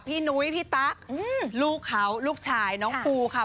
นุ้ยพี่ตั๊กลูกเขาลูกชายน้องภูค่ะ